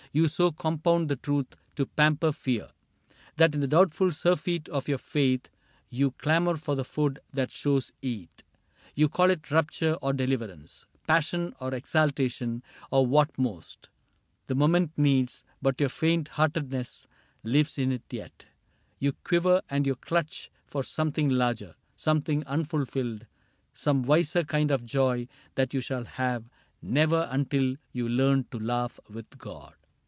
You so compound the truth to pamper fear That in the doubtful surfeit of your faith You clamor for the food that shadows eat. You call it rapture or deliverance, — Passion or exaltation, or what most The moment needs, but your faint heartedness Lives in it yet : you quiver and you clutch For something larger, something unfulfilled, Some wiser kind of joy that you shall have Never, until you learn to laugh with God."